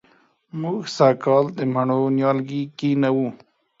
موږ سږ کال د مڼو نیالګي کېنوو